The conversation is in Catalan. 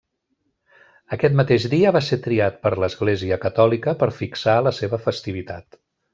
Aquest mateix dia va ser triat per l'Església Catòlica per fixar la seva festivitat.